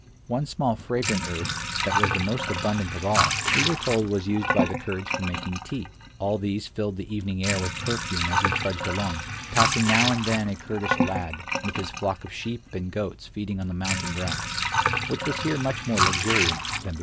One small fragrant herb, that was the most abundant of all, we were told was used by the Kurds for making tea. All these filled the evening air with perfume as we trudged along, passing now and then a Kurdish lad, with his flock of sheep and goats feeding on the mountain grass, which was here much more luxuriant than below.